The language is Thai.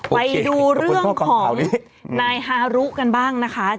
ไปดูเรื่องของนายฮารุกันบ้างนะคะ